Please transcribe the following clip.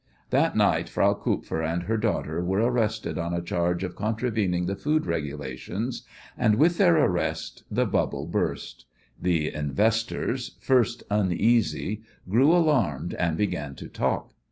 That night Frau Kupfer and her daughter were arrested on a charge of contravening the food regulations, and with their arrest the bubble burst. The "investors," first uneasy, grew alarmed, and began to talk.